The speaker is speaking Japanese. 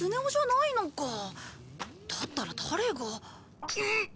だったら誰が。